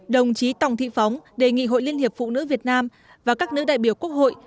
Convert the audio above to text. đồng chí tòng thị phóng đề nghị hội liên hiệp phụ nữ việt nam và các nữ đại biểu quốc hội